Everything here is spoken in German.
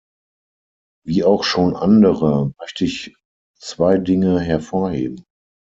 Wie auch schon andere möchte ich zwei Dinge hervorheben.